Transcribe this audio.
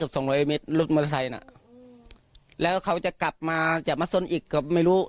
กลับรถมอเทอร์ไซน่ะแล้วเขาก็จะกลับมาจะมาทรลอีกเขาไม่รู้